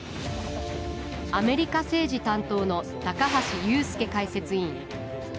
アメリカ政治担当の橋祐介解説委員。